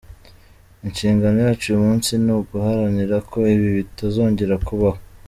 Inshingano yacu uyu munsi ni uguharanira ko ibi bitazongera kubaho.